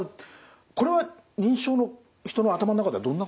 これは認知症の人の頭の中ではどんなことが起きてるんですか？